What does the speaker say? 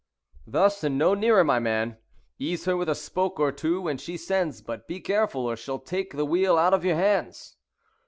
"Thus, and no nearer, my man. Ease her with a spoke or two when she sends; but be careful, or she'll take the wheel out of your hands."